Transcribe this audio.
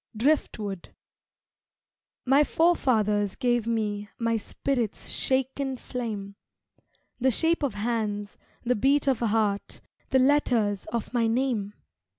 Driftwood My forefathers gave me My spirit's shaken flame, The shape of hands, the beat of heart, The letters of my name.